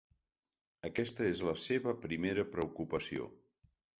Aquesta és la seva primera preocupació.